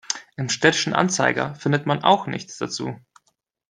Im Städtischen Anzeiger findet man auch nichts dazu.